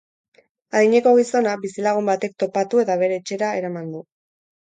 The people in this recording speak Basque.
Adineko gizona, bizilagun batek topatu eta bere etxera eraman du.